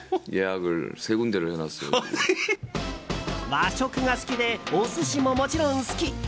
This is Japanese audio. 和食が好きでお寿司ももちろん好き。